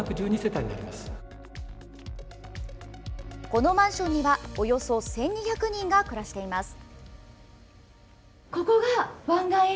このマンションにはおよそ１２００人が暮らしています。